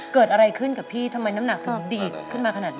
เกิดอะไรขึ้นกับพี่ทำไมน้ำหนักถึงดีดขึ้นมาขนาดนี้